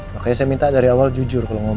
makanya saya minta dari awal jujur kalau ngomong